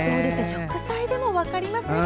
食材でも分かりますね